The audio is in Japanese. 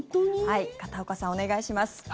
片岡さん、お願いします。